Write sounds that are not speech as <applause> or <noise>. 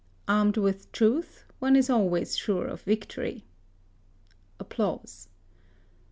Armed with truth, one is always sure of victory. <applause>